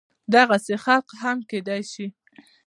دغسې خلق هم کيدی شي